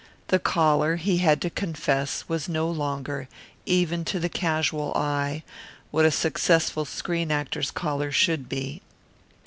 The collar, he had to confess, was no longer, even to the casual eye, what a successful screen actor's collar should be.